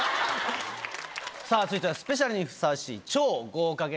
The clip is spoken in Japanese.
さぁ続いてはスペシャルにふさわしい超豪華ゲストです！